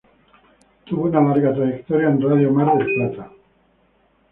Tuvo una larga trayectoria en Radio Mar del Plata.